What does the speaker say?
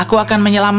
aku akan menjagamu